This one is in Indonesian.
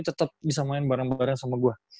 tetap bisa main bareng bareng sama gue